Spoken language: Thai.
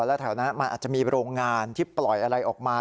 แล้วแถวนั้นมันอาจจะมีโรงงานที่ปล่อยอะไรออกมา